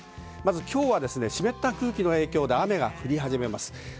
今日は湿った空気の影響で雨が降り始めます。